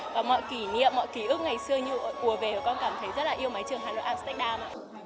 và mọi kỷ niệm mọi ký ức ngày xưa như ùa về con cảm thấy rất là yêu mái trường hà nội amsterdam